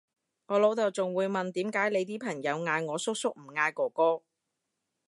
我老豆仲會問點解你啲朋友嗌我叔叔唔嗌哥哥？